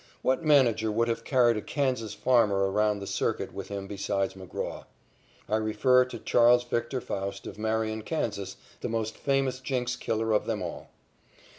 What manager would have carried a Kansas farmer around the circuit with him besides McGraw? I refer to Charles Victor Faust of Marion, Kansas, the most famous jinx killer of them all.